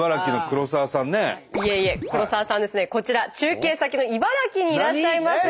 黒沢さんですねこちら中継先の茨城にいらっしゃいます。